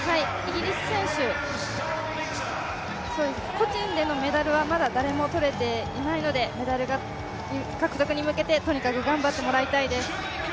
個人でのメダルはまだ誰も取れていないのでメダル獲得に向けてとにかく頑張ってもらいたいです。